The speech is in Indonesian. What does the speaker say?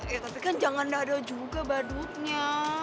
iya tapi kan jangan dado juga badutnya